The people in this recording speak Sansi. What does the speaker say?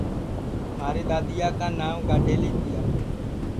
مھاری دؔادؔیا کا نانٚو گاڈؔیلی تِیا